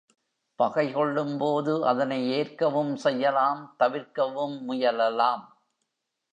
பகை கொள்ளும்போது அதனை ஏற்கவும் செய்யலாம் தவிர்க்கவும் முயலலாம்.